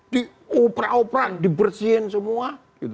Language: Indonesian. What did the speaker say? di operan operan dibersihin semua